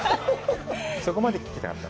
そこまで聞きたかった。